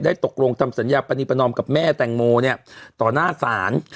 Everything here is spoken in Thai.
ตกลงทำสัญญาปณีประนอมกับแม่แตงโมเนี่ยต่อหน้าศาล